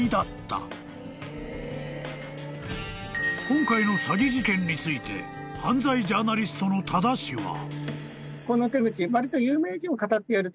［今回の詐欺事件について犯罪ジャーナリストの多田氏は］